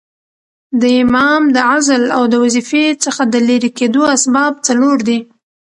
د امام د عزل او د وظیفې څخه د ليري کېدو اسباب څلور دي.